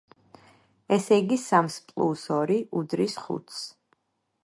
ესე იგი, სამს პლუს ორი უდრის ხუთს.